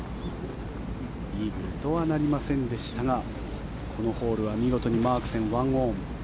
イーグルとはなりませんでしたがこのホールは見事にマークセン、１オン。